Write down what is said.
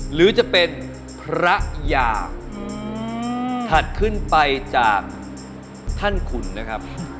หรือจะเป็นพระยาถัดขึ้นไปจากท่านขุนนะครับ